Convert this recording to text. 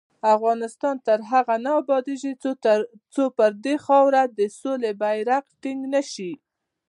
افغانستان تر هغو نه ابادیږي، ترڅو پر دې خاوره د سولې بیرغ ټینګ نشي.